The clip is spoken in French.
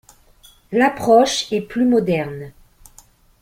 L'approche est plus moderne.